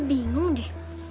gue masih bingung di